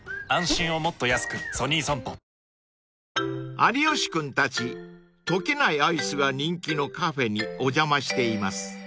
［有吉君たち溶けないアイスが人気のカフェにお邪魔しています］